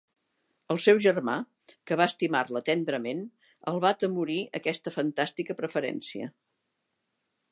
El seu germà, que va estimar-la tendrament, el va atemorir aquesta fantàstica preferència.